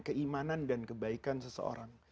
keimanan dan kebaikan seseorang